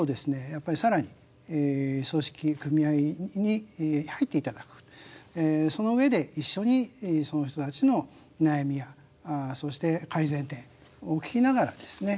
やっぱり更に組織組合に入っていただくその上で一緒にその人たちの悩みやそして改善点を聞きながらですね